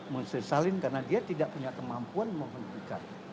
menyesalin karena dia tidak punya kemampuan menghentikan